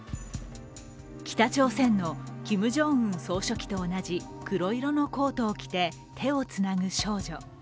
北朝鮮のキム・ジョンウン総書記と同じ黒色のコートを着て手をつなぐ少女。